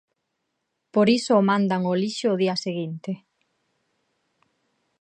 Por iso o mandan ao lixo ao día seguinte.